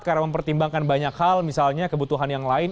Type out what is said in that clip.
karena mempertimbangkan banyak hal misalnya kebutuhan yang lain